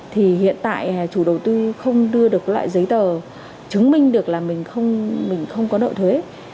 thì hiện tại chủ đầu tư không đưa được loại giấy tờ chứng minh được là mình không có nợ thuế